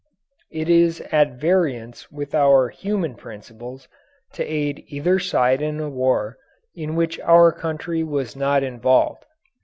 It is at variance with our human principles to aid either side in a war in which our country was not involved.